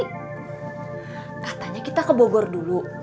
katanya kita ke bogor dulu